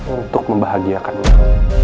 untuk membahagiakan mel